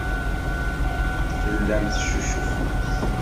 Tellamt teccucufemt.